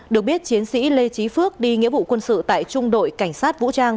được biết chiến sĩ lê trí phước đi nghĩa vụ quân sự tại trung đội cảnh sát vũ trang